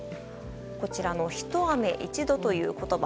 こちら、一雨一度という言葉。